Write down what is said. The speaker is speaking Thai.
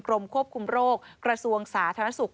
กรมควบคุมโรคกระทรวงสาธารณสุข